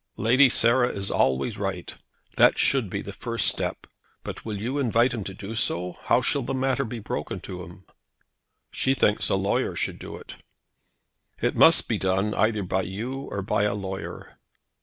"Lady Sarah is always right. That should be the first step. But will you invite him to do so? How shall the matter be broken to him?" "She thinks a lawyer should do it." "It must be done either by you or by a lawyer."